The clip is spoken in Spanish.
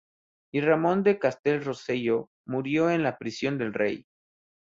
Y Ramon de Castell Rosselló murió en la prisión del rey.